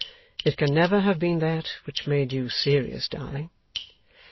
It can never have been that which made you serious, darling?